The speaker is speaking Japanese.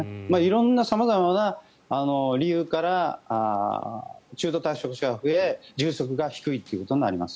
色んな、様々な理由から中途退職者が増え充足率が低いということになります。